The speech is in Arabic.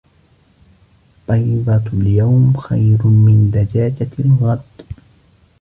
بيضة اليوم خير من دجاجة الغد.